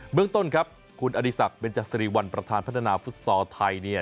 เมืองต้นครับคุณอดีศักดิเบนจักษรีวัลประธานพัฒนาฟุตซอลไทยเนี่ย